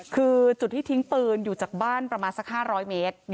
คือจุดที่ทิ้งปืนอยู่จากบ้านประมาณสัก๕๐๐เมตร